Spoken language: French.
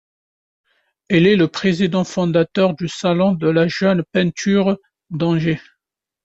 Il est le président fondateur du Salon de la Jeune Peinture d'Angers.